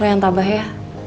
lo yang tabah ya